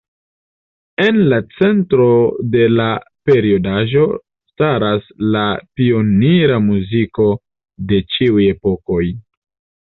En la centro de la periodaĵo staras la pionira muziko de ĉiuj epokoj.